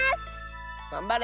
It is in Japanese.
がんばれ！